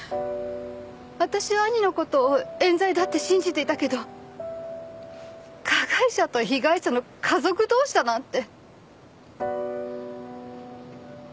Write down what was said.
私は兄のことを冤罪だって信じていたけど加害者と被害者の家族同士だなんて。